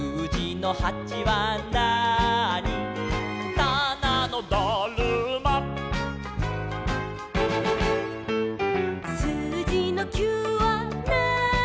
「たなのだるま」「すうじの９はなーに」